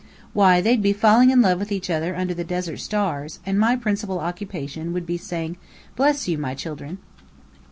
Why, they'd be falling in love with each other under the desert stars, and my principal occupation would be saying, "Bless you, my children!"